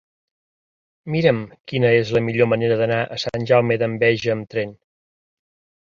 Mira'm quina és la millor manera d'anar a Sant Jaume d'Enveja amb tren.